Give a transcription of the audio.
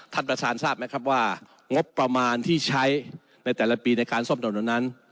ท่านประธานทราบไหมครับว่างบประมาณที่ใช้ในแต่ละปีในการซ่อมถนนนั้น